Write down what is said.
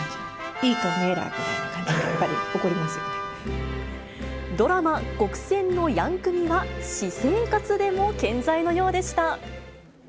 いいか、おめぇらって感じで、ドラマ、ごくせんのヤンクミは、私生活でも健在のようでした。